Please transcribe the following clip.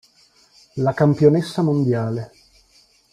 La campionessa mondiale.